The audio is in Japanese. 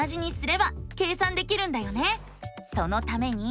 そのために。